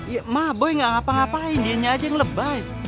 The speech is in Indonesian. ya mah boy gak ngapa ngapain dianya aja yang lebay